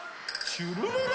ちゅるるる！